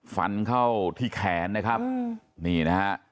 ฟันเข้าที่แขนนี่นะฮะ